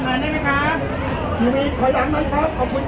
ก็ไม่มีคนกลับมาหรือเปล่า